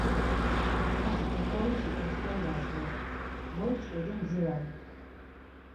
Hatzi oxorişi oşkendas bore, goitzǩedi, mdzirare.